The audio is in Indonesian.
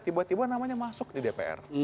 tiba tiba namanya masuk di dpr